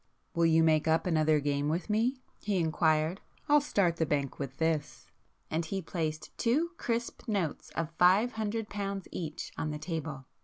"Will you make up another game with me?" he inquired. "I'll start the bank with this,"—and he placed two crisp notes of five hundred pounds each on the table.